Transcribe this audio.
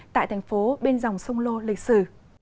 tại thành phố bên dòng sông lô lịch sử